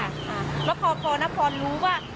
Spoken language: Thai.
แล้วพอน้ำพรรณรู้ว่า